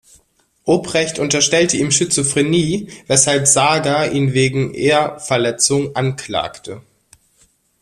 Oprecht unterstellte ihm Schizophrenie, weshalb Sager ihn wegen Ehrverletzung anklagte.